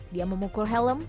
dia memukul helm